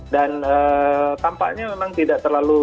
dan tampaknya memang tidak terlalu